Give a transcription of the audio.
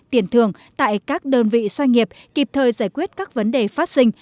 tiền thường tại các đơn vị xoay nghiệp kịp thời giải quyết các vấn đề phát sinh